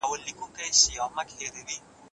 د اقتصادي فعالیتونو موخه رفاه ده.